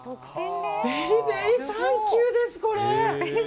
ベリベリサンキューです、これ。